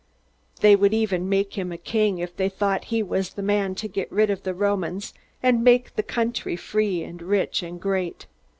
They would even make him a king, if they thought he was the man to get rid of the Romans and make the country free and rich and great.